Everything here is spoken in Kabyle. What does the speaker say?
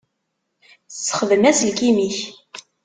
Ssexdem aselkim-ik.